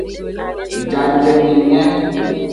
Jajenyenye.